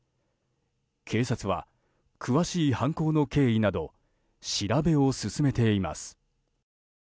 警察は詳しい犯行の経緯など調べを進めています。